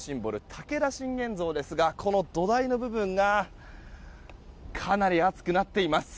武田信玄像ですがこの土台の部分がかなり暑くなっています。